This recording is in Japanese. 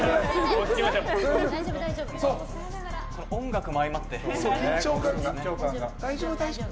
音楽も相まって緊張感が。